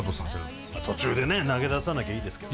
まあ途中でね投げ出さなきゃいいですけど。